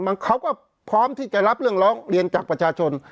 เขาก็พร้อมที่จะรับเรื่องร้องเรียนจากประชาชน